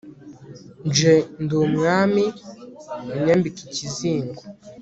nje ndi umwami unyambika ikizingo